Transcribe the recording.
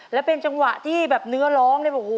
และเป็นจังหวะที่แบบเนื้อร้องเลย